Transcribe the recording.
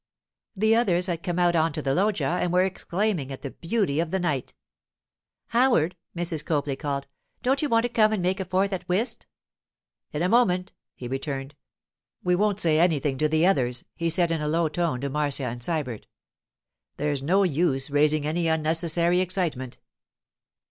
The others had come out on to the loggia and were exclaiming at the beauty of the night. 'Howard,' Mrs. Copley called, 'don't you want to come and make a fourth at whist?' 'In a moment,' he returned. 'We won't say anything to the others,' he said in a low tone to Marcia and Sybert. 'There's no use raising any unnecessary excitement.